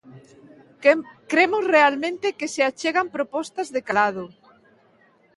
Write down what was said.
Cremos realmente que se achegan propostas de calado.